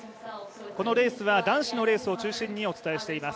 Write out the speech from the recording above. このレースは男子のレースを中心にお伝えしています。